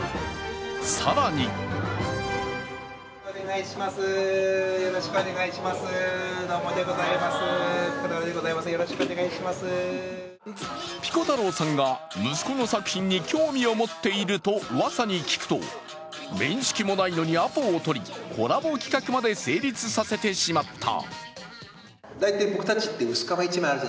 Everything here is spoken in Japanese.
更にピコ太郎さんが息子の作品に興味を持っていると、うわさに聞くと面識もないのにアポを取り、コラボ企画まで成立させてしまった。